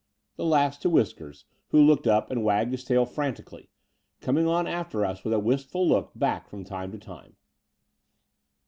The last to Whiskers, who looked up and wagged his tail frantically, coming on after \us with a wistful look back from time to time.